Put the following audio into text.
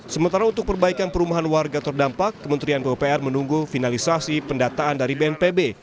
sementara untuk perbaikan perumahan warga terdampak kementerian pupr menunggu finalisasi pendataan dari bnpb